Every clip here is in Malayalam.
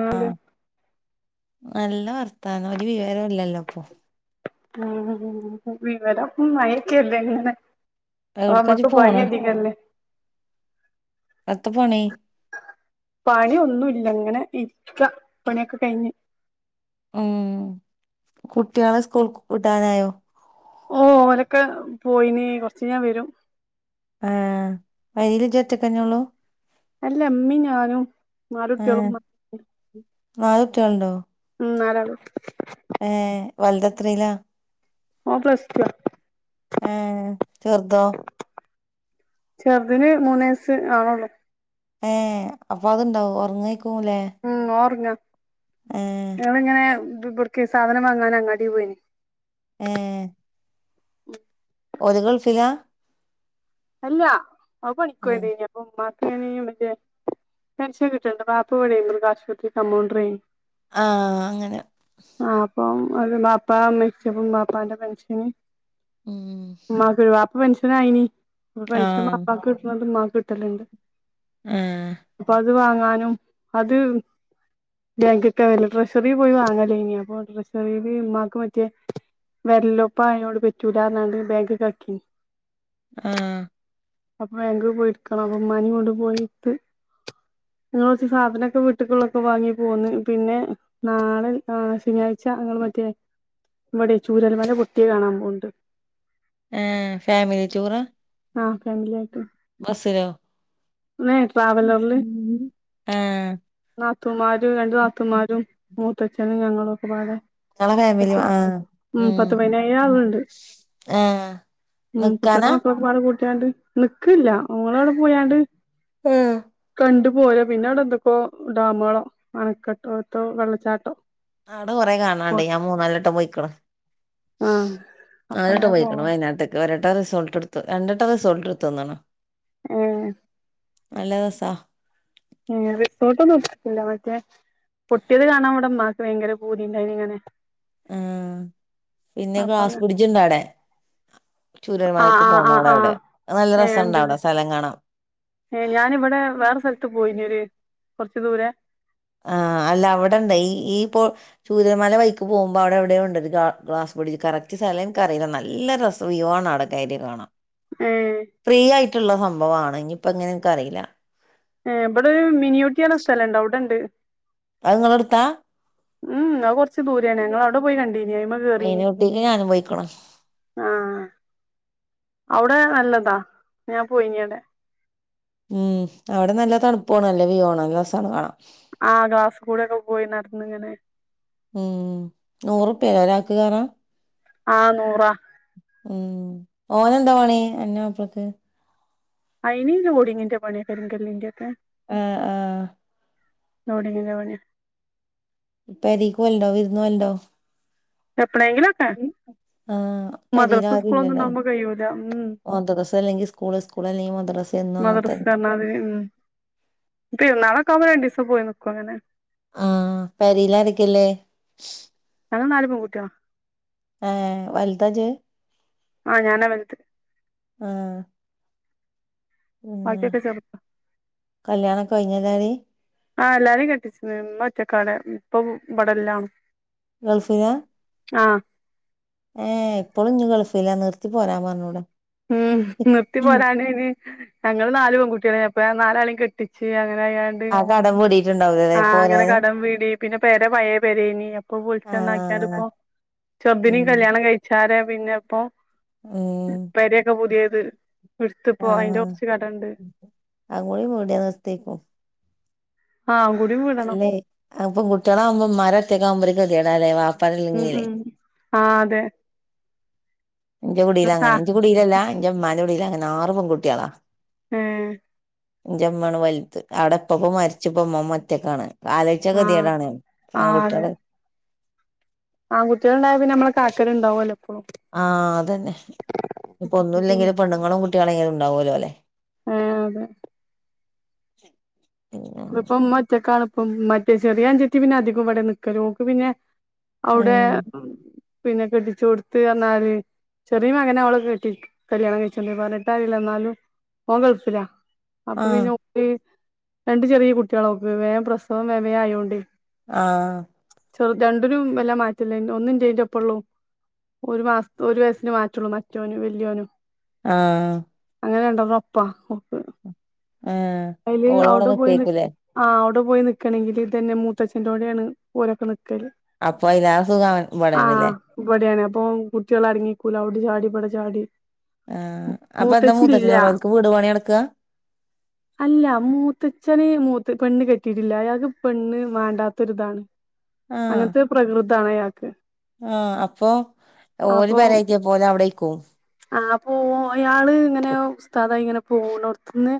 ആലോ ആഹ് നല്ല വർത്താനം ഒര് വിവരുലേല്ലോപ്പോ ഉം വിവരപ്പം മഴേക്കല്ലേ ഇങ്ങനെ ഓ എവിടക്കാ ഇജ്ജ് മ്മക്ക് പണി പോണ് അധികല്ലേ എത്താ പണി പണിയൊന്നുല്ല ഇങ്ങനെ ഇരിക്ക പണിയൊക്കെ കഴിഞ്ഞ് ഉം കുട്ട്യാളെ സ്കൂൾ വിടാനായോ ഓ ഓലോക്കെ പോയിന് കൊറച്ചയിഞ്ഞാ വരും ആ പെരേല് ഇജ്ജോറ്റക്കേനൊള്ളൂ അല്ല ഇമ്മീ ഞാനും നാലുട്ട്യാളും [unintelligible] നാലുട്ട്യാളുണ്ടോ മ്മ് നാലാള് ഏ വല്ത് എത്രേലാ ഓന് പ്ലസ് ടു ഏ ചെറ്തോ ചെറ്തിന് മൂന്ന് വയസ്സ്‌ ആവ്ണോള്ളൂ ഏ അപ്പൊ അത്ണ്ടാവും ഒറങ്ങേക്കുലേ ഞങ്ങള ഇങ്ങനെ [unintelligible] ഇവിടേക്കെ സാധനം വാങ്ങാൻ അങ്ങാട്ടി പോയിന്. ഏ [unintelligible] ഒരേ ഗൾഫ്‌ല. അല്ല അവ ഏഹ് പണിക്കൊയതീനി അപ്പൊ ഉമ്മ ക് അയിന് മറ്റേ പെൻഷൻ കിട്ടണ്ട് വാപ്പ ഇവിടെ മൃഗആശുപത്രി കമ്പൗണ്ടർയിനെ. ആ അങ്ങനെ അപ്പം അത് വാപ്പ മരിച്ചപ്പം ബാപ്പാന്റെ പെന്ഷനെ ഉം പ്പ പെന്ഷനായിനെ. അപ്പൊ പെൻഷൻ ആഹ് വാപ്പാക്ക് കിട്ടണത് ഉമ്മക്ക് കിട്ടലുണ്ട്. ഏഹ് അപ്പ അത് വാങ്ങാനും അത് ബാങ്കിക്കെയാലും ട്രഷറി പോയി വാങ്ങല്ലേ ഇനി അപ്പൊ ട്രഷറിയില് ഉമ്മക്ക് മറ്റേ വല്ലോപ്പായട് പറ്റൂല്ലാന്ന് പറഞ്ഞുകണ്ടേ ബാങ്കിക്ക് ആക്കിനി. ആ അപ്പൊ ബാങ്ക പോയിടുക്കണം അപ്പൊ ഉമ്മാനെ കൊണ്ട് പോയി ഇടത്. [inaudible] നിങ്ങ കുറച്ച് സാധനമൊക്കെ വീട്ടക്കുള്ളൊക്കെ വാങ്ങി പോന്ന്. പിന്നെ നാളെ ഏ ശനിയാഴ്ച ഞങ്ങൾ [unintelligible] [unintelligible] ഇവിടെ ചൂരൽ മല പൊട്ടിയെ കാണാൻ പോണ്ട്. ഏ ഫാമിലി ടൂറ, ആ ഫാമിലി ആയിട്ട് ബസിലോ ഏ ട്രാവലറില് ആ ത്തൂന്മാരും രണ്ടു നാത്തന്മരും മുത്തച്ചനും ഞങ്ങളൊക്കെ പാടെ ഇങ്ങളെ ഫാമിലി പത്ത് ആ ഉം പത്ത് പതിനേഴ് ആളുണ്ട് ആ ഉം കുട്ടികളെ ഒകെപ്പാടെ കൂട്ടിയാണ്ട് നിക്കല്ല ഓള് അവിടെ പോയാണ്ട് ആ [unintelligible] പോയ പിന്നെ അവിടെ എന്തൊക്കോ ഡാമുകളോ, അണക്കെട്ടോത്തോ, വെള്ളച്ചാട്ടോ, ആടെ കൊറ കാണാണ്ട്. ഞാൻ മൂന്നാലിട്ടം പൊയ്ക്കണേ. ആഹ് അപ്പ അങ്ങനെ നാലട്ടാപോയിക്കണം പോവാ വയനാട്ടക്കെ ഒരുവട്ടം റിസെ ർട് എടുത്ത. രണ്ടുവട്ടം റിസോർട് എടുത്ത തോന്നണേ ആ നല്ല രസ ഉം റിസോർട്ട് ഒന്നും ഇടുതിടില്ല. മറ്റേ പൊട്ടിയത് കാണാൻ ഇവിടെ മാ ഭയങ്കര പുതിയിടയിനെ ഇങ്ങനെ ആ പിന്നെ അപ്പ ഗ്ലാസ്‌ അങ്ങ് ബ്രിഡ്ജിടെ അവിടെ. ആഹ് ചുരമലക്ക് ആഹ് ആഹ് പോണടെ ആഹ് അവിടെ. നല്ല രസണ്ട അവിടെ സ്ഥലം കാണാം. ഏ ഞാനിവിടെ വേറെ സ്ഥലത്ത് പോയിനര് കൊറച്ചു ദൂരെ. ആ ആ അല്ല അവിടെ ഉണ്ട് ഈ ഈ ഇപ്പോ ചൂര്യമാല വായിക്ക് പോകുമ്പോ അവിടെ എവിടെയ ഉണ്ട് ഒരു ഗ ഗ്ലാസ് ബ്രിഡ്ജ്. കറക്റ്റ് സ്ഥല എനിക്കറിയില്ല നല്ല [unintelligible] കയറി കാണാം. ഏഹ് ഫ്രീ ആയിട്ടുള്ള സംഭവമാണ് ഇനിയിപ്പോ എങ്ങനെ എനക്ക് അറിയില്ല. ഏ ഇവിടെ മിനിഊട്ടിന്നെ സ്ഥലുണ്ടോ അവിടെണ്ട്. അതേങ്ങളെ അടുത്ത ഉം അത് കൊറച്ചു ദൂരാണ്. ഞങ്ങ അവിടെ പോയി കണ്ടിനി. അതേമ കേറീനി മീനൂട്ടിക്ക് ഞാനും പോയിക്കണ് ആ അവിടെ നല്ലതാ ഞാൻ പോയിഞ്ഞടെ. ഉം അവിടെ നല്ല തണുപ്പന്നെ നല്ല വ്യൂ ആണോ നല്ല സ കാണാം. ആ ഗ്യാസ് കൂടെക്കെ പോയി നടന്ന ഇങ്ങനെ. ഏ നൂറകെ കേറാ. ആ നൂറ. ഉം ഓനെന്താ പണി അന്റെ മാപ്പിളക്ക്. ആയിനീ ലോഡിങ്ങിന്റ് പണി കരിക്കലിന്റെ ഓക്കേ. ആഹ് ആ നോടിരുന്നാ മതി ഇപ്പ പെരീകോവൽണ്ടോ വിരുന്നോവലുണ്ടോ എപ്പളേങ്കിലൊക്കെ ആഹ് പെരീല് ആരുല്ലല്ല കഴിയൂല ഉം മദ്രസ അല്ലെങ്കിൽ സ്കൂള് സ്കൂൾ അല്ലെങ്കിൽ മദ്രസന്ന് മദ്രസ ഉം പെരുന്നാളൊക്കെ ആകുമ്പോ രണ്ടീസം പോയി നിക്കും അങ്ങനെ ആഹ് പെരിലാരക്കേല്ലേ ഞങ്ങൾ നാല് പെൺകുട്ടികളാ. എ വല്താജ് ആഹ് ഞാനാ വല്ത് ആഹ് പിന്നെ ബാക്കിയൊക്കെ ചെറുതാ കല്യാണംക്കെ കഴിഞ്ഞതാനി ആഹ് എല്ലാരിം കെട്ടിച്ചീണ് ഇമ്മ ഒറ്റക്കാടെ ഇപ്പൊ ഇവടെല്ലാണും ഗൾഫിലാ ആഹ് ഏ ഇപ്പോഴും ഇഞ് ഗൾഫ്ല്ലാ നിർത്തി പോരാൻ പറഞ്ഞൂടെ ഉം നിർത്തി പോരാണ് ഇനി ഞങ്ങള് നാല് പെൺകുട്ടികളെ അപ്പ നാലാളേം കെട്ടിച്ച് അങ്ങനെ [unintelligible] ആ കടം വീടീട്ടുണ്ടാവൂലല്ലേ ആഹ് അങ്ങനെ പോരാന് കടം വീടി പിന്നെ പേര പയെ പെരേനി അപ്പൊ പൊളിച്ചന്നാക്കൃണ്ട് ആഹ് ഇപ്പോ ചേർതിനി കല്യാണം കഴിച്ചാരെ പിന്നെ ഇപ്പോ മ് പെരെയൊക്ക പുതിയത് എടുത്തിപ്പോ അയിന്റെ ആഹ് കുറച്ച് കടണ്ട് അങ്ങോടു കൂടിയവസ്തേ പോം ആ കൂടി വീടണം അല്ലെ അ പെൺകുട്ടികളാവുമ്പോ ഉമ്മാര് ഒറ്റക്കാവുമ്പോ ഒരു കേതീടാല്ലേ വാപ്പാരില്ലെങ്കിലേ ആഹ് അതെ എന്ടൊ കുടിൽ ആ അങ്ങനെ എന്ടെ കുടീലല്ല എന്ടെ ഇമ്മാന്റെ കുടിൽ അങ്ങനെ ആറ് പെൺകുട്ടികളാ മ്മ് ഇന്റമ്മാണ് വല്ത് ആടെ ഉപ്പപ്പ മരിച്ച്പോ ഉമ്മമ്മ ഒറ്റക്കാണ്. ആലോയ്ച്ച ആ കെതിടാണ് പെൺകുട്ടിൾ. ആൺകുട്ടിൾണ്ടായാ പിന്നെ നമ്മളെ കാൽക്കൽണ്ടാവുല്ലോ. ആഹ് അതന്നെ ഇപ്പൊ ഒന്നും ഇല്ലെങ്കില് പെണ്ണുങ്ങളും കുട്ടികളെങ്കിലും ഉണ്ടാവല്ലോ അല്ലെ. മ്മ് അതെ. ച്ച. [unintelligible] ഇത്പ്പം ഉമ്മ ഒറ്റക്കാണ്പ്പം മറ്റേ ചെറിയ അഞ്ചത്തി പിന്നെ അധികം ഇവടെ നിക്കല് ഓക്ക് പിന്നെ. അവ്ടെ പിന്നെ കെട്ടിച്ചോട്ത്ത്ർഞ്ഞാല്. ചെറിയ മകനെ അവള് കെട്ടി കല്യാണം കഴിച്ചോണ്ട് പതിനെട്ടായില്ല ന്നാലും ഓൻ ഗൾഫിലാ. അപ്പൊ ആഹ് പിന്നെ ഉപ്പി രണ്ട് ചെറിയ കുട്ടൃള ഓക്ക് വേം പ്രസവം വേ വേം ആയോണ്ട്. ആഹ്. ചെറു രണ്ടിനും വല്ലാ മാറ്റല്ലാ ഒന്ന് ഇന്റേന്റപ്പള്ളും. ഒരു മാസ്ത്ത് ഒരു വയസ്സിന് മാറ്റള്ളൂ മറ്റോനും വല്യോനും. ആഹ്. അങ്ങനെ രണ്ടെർണ്ണം ഒപ്പാ ഓക്ക്. ആഹ് അയിൽ ഓള് ഇവിടെ അവ്ടെ പോയി നി നിക്കേക്കൂല്ലേ ആ ഓ പോയി നിക്കാണെങ്കിൽ ഇതന്നെ മൂത്തച്ചന്റോടെണ് ഓലക്കെ നിക്ക് ക്കല് അപ്പൊ അയിലേറെ സുഖം അവൻ ഇവിടെയാണല്ലേ ആഹ് ഇവടെണ്. പ്പോ കുട്ടൃള് അട്ങ്ങിക്കൂല അവ്ടെ ചാടി ഇബടെ ചാടി. ആഹ് അപ്പൊ എന്താ മൂത്തച്ചി ഇല്ല മൂത്തച്ഛനവടെ ഓൽക്ക് വീട് പണി നട്ക്ക്. ഇല്ല്യാ മൂത്തച്ഛന് മൂത്ത് പെണ്ണ് കെട്ടീട്ടില്ല അയാക്ക് പെണ്ണ് മാണ്ടാത്തൊര്താണ്. അങ്ങൻത്തെ പ്രകൃതാണ് അയാൾക്ക്‌ ആ അപ്പൊ ഓല് പെരേറ്റ്യേപ്പൊ ഓല് അവിടെയ്ക്കും ആഹ് അപ്പോ അയാള്ങ്ങനെ ഉസ്താദായിങ്ങനെ പോവൂണോട്ത്ത്ന്ന്.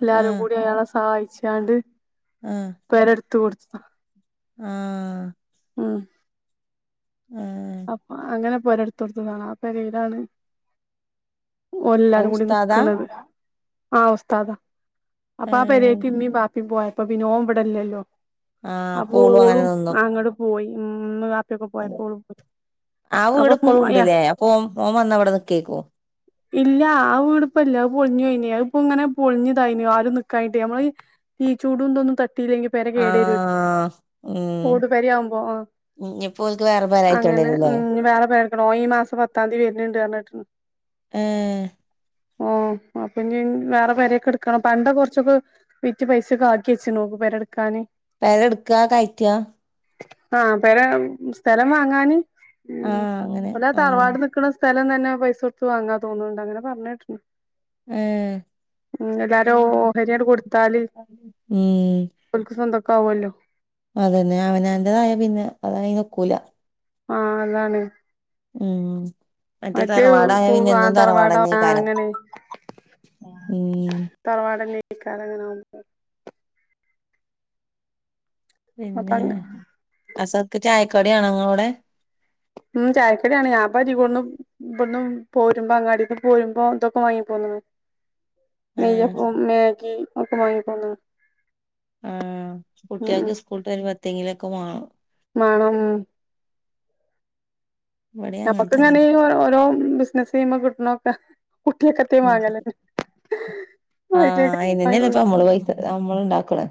എല്ലാരും ആഹ് കൂടി അയാളെ സഹായിച്ചാണ്ട് പെരെട്ത്ത് കൊട്ത്ത. ആ മം ആ അപ്പൊ അങ്ങനെ പൊരെട്ത്ത് കൊട്ത്തതാണ് ആ പെരീലാണ് അത് ഓലെല്ലാരും കൂടി ഉസ്താദാ നിക്ക്ണത് ആ ഉസ്തതാ അപ്പൊ ആ ഏഹ് പെരേക്ക് ഇമ്മിം ബാപ് പോയപ്പോപ്പിന്നെ ഓൻ ഇവടെ ഇല്ലല്ലോ ആഹ് അപ്പൊ അങ്ങനെ ഓളും നിന്നു അങ്ങട്ട് പോയി ഇമ്മിം വാപ്പ്യൊക്കെ പോയപ്പോ ഓളും പോയി ആ വീട് അപ്പൊ ഇപ്പോളൂണ്ട്ലേ അപ്പോൻ ഓൻ വന്ന ഇവടെ നിക്കേയ്ക്കൂ ഇല്ല്യാ ആ വീട്പ്പല്ല്യ അത് പൊൾഞ്ഞൊയ്ഞ്ഞ് അത്പ്പൊങ്ങനെ പൊൾഞ്ഞ്തായിന്ന് ആരും നിക്കായ്റ്റെയ് നമ്മള് ഈ ചൂടുന്തൊന്നും ത ട്ടില്ലെങ്കി പെര കേടര്വയ് ആഹ് ഉം ഓട്പെര്യാവുമ്പോ ആ ഇഞ്ഞിപ്പോ ഓൽക്ക് വേറെ പെര അങ്ങനെ കയറ്റേണ്ടിവരുല്ലേ ഞ്ഞി വേറെ പെരട്ക്കണം ഓൻ ഈമാസം പത്താന്തി വര്ന്ണ്ട്ന്നർഞ്ഞേട്ട് ഏ ആ അപ്പൊഞ്ഞി വേറെ പെരെക്കെട്ക്കണം പണ്ടം കൊറ്ച്ചൊക്കെ വിറ്റ് പൈസൊക്കെ ആക്കി വെച്ച്ണ്ഓന്നു പെരെട്ക്കാന് പെരട്ക്ക്ആ കയറ്റ്ആ? ആ പെര സ്ഥലം വാങ്ങാന് ആഹ് അങ്ങനെ ഒന്നേ ആഹ് തറവാട് നിക്ക്ണ സ് സ്ഥലം തന്നെ പൈസൊട്ത്ത് വാങ്ങാ തോന്ന്ണ്ട് അങ്ങനെ പറഞ്ഞേട്ട്ണ് ഏ എല്ലാരും ഓഹരിയണ്ട് കൊട്ത്താല് ഓൽക്ക് സ്വന്തക്കാവ്വല്ലോ അതെന്നെ അവനാന്റതായാ പിന്നെ അതയിനൊക്കൂല ആ അതാണ് ഉം മറ്റേ തറവാടായ പിന്നെ ആ എന്നും തറവാട് ആ തറവാടന്നേക്കാരം അങ്ങനെ ഉം തറവാടെന്നൈക്കാരങ്ങനാവുമ്പൊ അപ്പ പിന്നേ അസർക്ക് ചായക്കടിയാണോ ഇങ്ങളോടെ ചായക്കടിയാണ് ഞാൻപ്പൊ അരീകോട്ന്ന് ഇബട്ന്ന് പോരുമ്പോ അങ്ങാടീന്ന് പോരുമ്പോ ഇതൊക്കെ വാങ്ങീ ആ [inaudible] ഏഹ് നെയ്യപ്പം മാഗി ഒക്കെ മാങ്ങിക്കൊട്ന്ന്ണ് ആ കുട്ട്യാക്ക് സ്കൂള്ട്ടെരുമ്പൊ എത്തെങ്കിലൊക്കെ വാണം മാണം ഇവടിം അങ്ങൻ തന്നെ ഞമ്മക്ക്ങ്ങനെ ഈ ഓരോ ബിസിനസ്സ് ചെയ്യുമ്പോ കിട്ടണ ഒക്കെ കുട്ട്യാക്ക്‌ എത്തേലും വാങ്ങാലെന്നെ ആ അയിനെന്നേ ല്ലേ പമ്മൾ പ്പമ്മള് പൈസ ഉണ്ടാക്ക്ണ്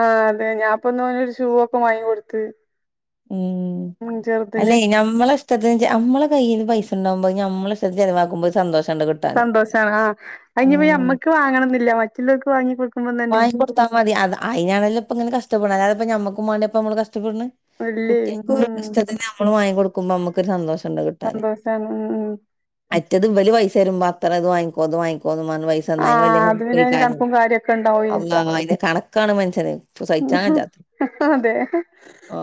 ആ അതെ ഞാപ്പൊന്നോനൊര് ഷൂ ഒക്കെ വാങ്ങിക്കൊട്ത്ത് മം അല്ലെയ് ഞമ്മളെ ഇഷ്ടത്തിന് ചെയ് ഞമ്മളെ കയ്യിൽ പൈസണ്ടാവുമ്പത് നമ്മളിഷ്ടത്ത്ന് ചയലവാക്കുമ്പത് സന്തോഷ സന്തോഷാണ് ആ അയിഞ്ഞിപ്പൊ ഉം ഞമ്മക്ക് വാങ്ങണംന്നില്ല മറ്റുള്ളോർക്ക് വാങ്ങിക്കൊട് വാങ്ങിക്കൊട്ത്താ മതി അത് അയ്നാണല്ലൊപ്പൊങ്ങനെ കഷ്ടപ്പെട്ണ് അല്ലാതെപ്പൊ ഞമ്മക്കുമ്മാണ്ട്യാപ്പൊ നമ്മള് കഷ്ടപ്പെട്ണ് അല്ലേ കുട്ട്യാക്ക് ഓരോര്ത്തരെ ഉം ഇഷ്ടത്ത്ന് നമ്മള് വാങ്ങിക്കൊട്ക്കുമ്പോ നമ്മക്കൊരു സന്തോഷണ്ട് കിട്ടാന് സന്തോഷാണ് ഉം ഉം മറ്റെത് ഇവല് പൈസെരുമ്പോ അത്രത് വാങ്ങിക്കോ ഇത് വാങ്ങിക്കോന്നുംപ പൈസന്ന് അയ്ന് വല്ല്യെ ആഹ് അത് പിന്നെ അയിന് ഇത്വൈകാരം കണക്കും കാര്യൊക്കെ ഇണ്ടാവേ അള്ളാ അയിന്റെ കണക്കാണ് മന്ഷ്യന് ച്ച് സഹിച്ചാൻവെജ്ജാത്ത് അതെ ആ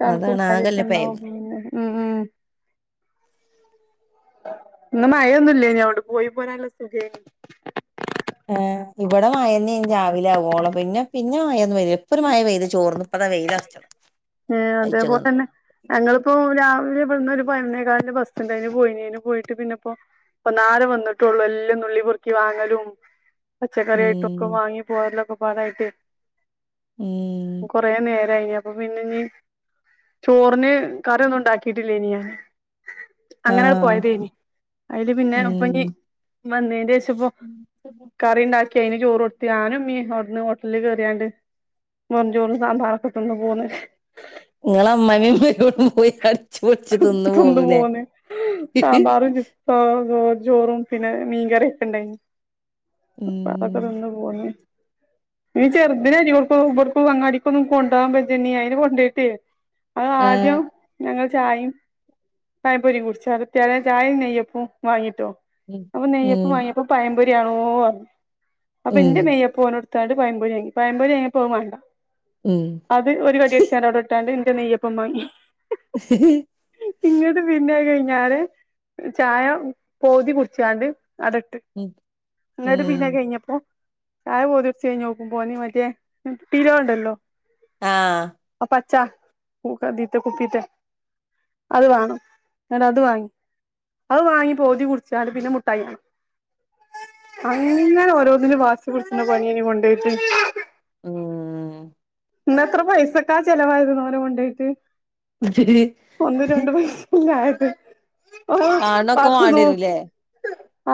കണക്കും കാര്യൊക്കെണ്ടാവും പിന്നെ [inaudible] ഇന്ന് മയൊന്നുല്ലായിനോ അവിടെ പോയി പോരാൻ നല്ല സുഖേന് ഏ ഇവിടെ മായന്നായ്ന് രാവിലാവോള പിന്നെ പിന്നെ മായന്നും പെയ്തില ഇപ്പൊരുമയ പെയ്തു ചോർന്ന് വെയിലർഅച്ചണം ഏ അതേപോലെ തന്നെ ഞങ്ങളിപ്പോ രാവിലെ ഇവിട്ന്നൊരു പ ബസ്ന്റെന് പോയിന് പോയിട്ട് പിന്നെപ്പോ ഇപ്പന്നാരെ വന്നിട്ടേള്ളൂ എല്ലാം നുള്ളി പ്പെർക്കി വാങ്ങലും പച്ചക്കറായിട്ടൊക്കെ ഉം വാങ്ങി പോകതിലൊക്കെ പാടായിട്ട് ഉം കൊറേനേര കഴഞ്ഞപ്പൊ പിന്നെനി ചോറിന് കറിയൊന്നും ഉണ്ടാക്കിട്ടില്ലേയ്നി അങ്ങനാട്ട് ആഹ് പോയതേനി അതില് പിന്നെ ഉം അപ്പനി വന്നേന്റെ പ്പോ കറി ഉണ്ടാക്കിയ്നി ചോറ് കൊടുത്തി ആനും ഉമ്മിം അവിടുന്ന് ഹോട്ടലിൽ കയറിയാണ്ട് മോന് ചോറ് സാമ്പാറൊക്കെത് ന്ന് പോന്ന് നിങ്ങള അമ്മാവി മരുമോളും പോയി അടച്ച്പൊളിച്ചു തിന്നു തിന്ന് പോന്ന്‌ലേ പോന്ന് സാമ്പാറും ജിത്ത ചോറും പിന്നെ മീൻകറൊക്കെ ണ്ടായിന് ഉം അപ്പൊതൊക്കെ തിന്ന് പോന്ന് നീ ചെറുദിനെ ടിക്കും വ്ട്ക് അങ്ങാടിക്കൊന്നും കൊണ്ട നി അയിനെ കൊണ്ടോയിട്ടേ അത് ആദ്യം ആഹ് ഞങ്ങ ചായയും പയപൊരി കുടിച്ച അ തറെ ചായയും നെയ്യപ്പ വാങ്ങിട്ടോ ഉം അപ്പൊ നെയ്യപ്പ ഉം വാങ്ങിയപ്പ പയംമ്പൊരിയാണോ അപ്പൊ എന്റെ ഉം നെയ്യപ്പ നടുത്ത് ത്താണ്ട് പയമ്പൊരിയാങ്ങി പയമ്പോഴി വാങ്ങിപ്പോ ഓന് വാണ്ട ഉം അത് ഒരു കടിയടചാണ്ട് അവിടെട്ടാണ്ട് എന്റെ നെയ്യപ്പംവാങ്ങി ഹ് ഹ് ഞാന് ചായ ഓതി കുടിച്ചാണ്ട് അടട്ട് ഉം ന്ന്ട്ട് ഉം പിന്നത്കഴിഞ്ഞപ്പോ ചായ പോതിച്ചയ്ച്ചഴിഞ്ഞോക്കുമ്പോ ഓന് മറ്റേ ട്ടിലോണ്ടല്ലോ ആ ച്ചാ തീത്തെ കുപ്പീത്തെ അത് വേണം ന്ന്ട്ട് അത് വാങ്ങി അത് വാങ്ങി പോതി കുടിച്ചാണ്ട് പിന്നെ മുട്ടായാണം അങ്ങങ്ങെ ഓരോന്നിനും വാസി പിടിച്ചുന്ന പണിയായ്നു കൊണ്ടോയിട്ട് ഉം... ഇന്നത്ര പൈസക്കെ ചെലവായിന്നോനകൊണ്ടയിട്ട് ഒന്ന് രണ്ട പൈസല്ല ആയത് ഓ കാണൊക്കെ പത്ത്നൂ വാണ്ടിരൂല്ലേ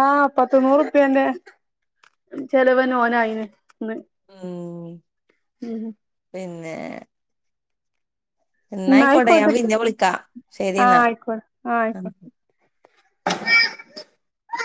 ആ പത്ത് നൂറുപ്യന്റെ ചെലവന്നെ ഓനായിന് ന്ന് ഉം ഉം പിന്നെ ന്നാ ആയ്കോട്ടെ ഞാൻ ന്നായിക്കോട്ടെ പിന്ന വിളിക്കാം ആഹ് ശെരിന്നാ ആയിക്കോട്ടെ ആഹ് ആയിക്കോട്ടെ